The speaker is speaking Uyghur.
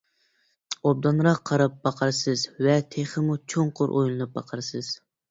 ئوبدانراق قاراپ باقارسىز ۋە تېخىمۇ چوڭقۇر ئويلىنىپ باقارسىز.